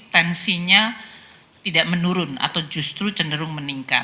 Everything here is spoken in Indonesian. tensinya tidak menurun atau justru cenderung meningkat